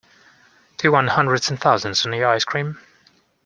Do you want hundreds and thousands on your ice cream?